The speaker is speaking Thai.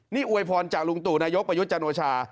นี่อวยพรจากลุงตู่นายกประยุทธ์จันโอชา